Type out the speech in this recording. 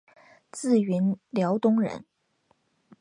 自云辽东人。